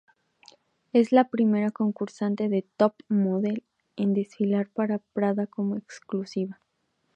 Es la primera concursante de "Top Model" en desfilar para Prada como exclusiva.